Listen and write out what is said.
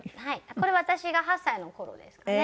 これ私が８歳の頃ですかね。